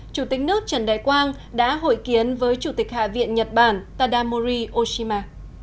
chủ tịch nước trần đại quang đã hội kiến với chủ tịch hạ viện nhật bản tadamori oshima